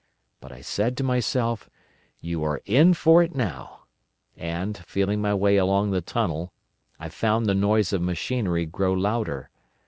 But I said to myself, 'You are in for it now,' and, feeling my way along the tunnel, I found the noise of machinery grow louder.